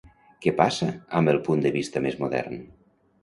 Què passa amb el punt de vista més modern?